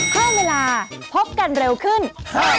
เพิ่มเวลาพบกันเร็วขึ้น๕โมง๔๕น